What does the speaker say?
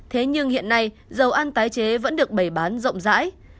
thế nhưng hiện nay dầu ăn tái chế vẫn được bày bán rộng rãi